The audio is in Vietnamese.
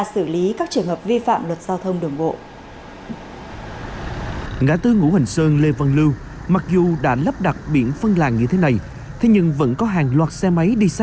xử lý các trường hợp vi phạm